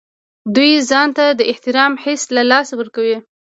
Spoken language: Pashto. دوی ځان ته د احترام حس له لاسه ورکوي.